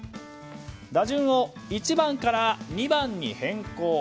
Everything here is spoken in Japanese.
打順を１番から２番に変更。